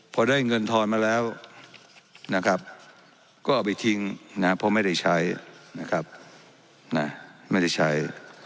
พอได้เงินทอนมาแล้วก็เอาไปทิ้งเพราะไม่ได้ใช้